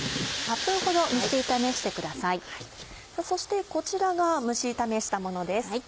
そしてこちらが蒸し炒めしたものです。